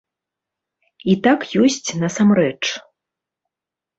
І так ёсць насамрэч.